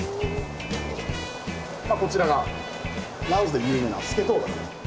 こちらが羅臼で有名なスケトウダラです。